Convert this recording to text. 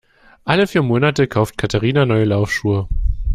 Alle vier Monate kauft Katharina neue Laufschuhe.